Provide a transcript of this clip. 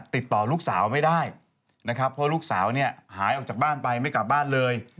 ติดต่อลูกสาวไม่ได้นะครับเพราะลูกสาวเนี่ยหายออกจากบ้านไปไม่กลับบ้านเลย